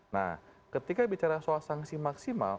nah ketika bicara soal sanksi maksimal